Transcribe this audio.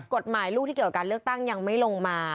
กฎหมายลูกที่เกี่ยวกับการเลือกตั้งยังไม่ลงมา